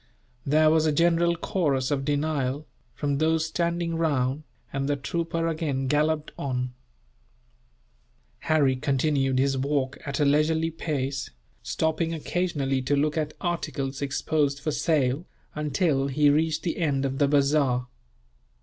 There was a general chorus of denial, from those standing round, and the trooper again galloped on. Harry continued his walk at a leisurely pace, stopping occasionally to look at articles exposed for sale, until he reached the end of the bazaar.